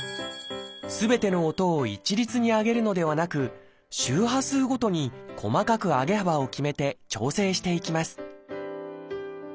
すべての音を一律に上げるのではなく周波数ごとに細かく上げ幅を決めて調整していきます